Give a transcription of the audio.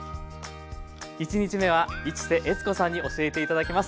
１日目は市瀬悦子さんに教えて頂きます。